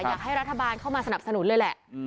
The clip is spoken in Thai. อยากให้รัฐบาลเข้ามาสนับสนุนเลยแหละ